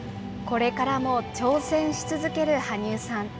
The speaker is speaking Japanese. これからも挑戦し続ける羽生さん。